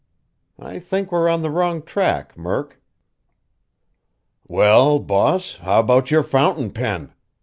I think we're on the wrong track, Murk." "Well, boss, how about your fountain pen?"